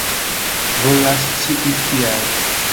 Volas scii kial.